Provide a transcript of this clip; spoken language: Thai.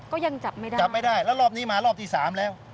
ก็ยังจับไม่ได้จับไม่ได้แล้วรอบนี้มารอบที่สามแล้ว